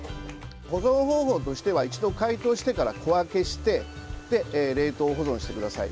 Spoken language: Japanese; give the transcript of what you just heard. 保存方法としては一度、解凍してから小分けして冷凍保存してください。